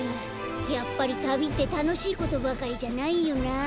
やっぱりたびってたのしいことばかりじゃないよな。